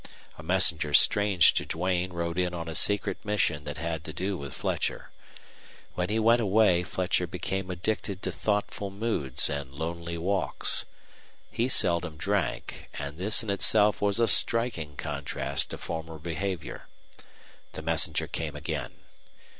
A messenger strange to Duane rode in on a secret mission that had to do with Fletcher. When he went away Fletcher became addicted to thoughtful moods and lonely walks. He seldom drank, and this in itself was a striking contrast to former behavior. The messenger came again.